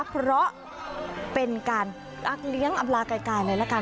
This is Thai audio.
เพราะเป็นการเลี้ยงอำลาไกลเลยละกัน